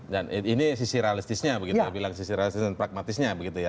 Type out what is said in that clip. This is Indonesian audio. dan ini sisi realistisnya begitu bilang sisi realistis dan pragmatisnya begitu ya